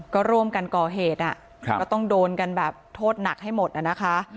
ก็ร่วมกันก่อเหตุก็ต้องโดนกันแบบโทษหนักให้หมดนะคะ